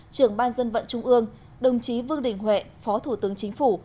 trưởng ban dân vận trung ương đồng chí vương đình huệ phó thủ tướng chính phủ